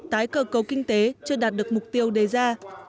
tái cờ cầu kinh tế chưa đạt được mục tiêu đề ra